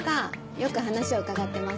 よく話を伺ってます。